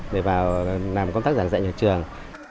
để vào làm công tác giảng dạy nhà trường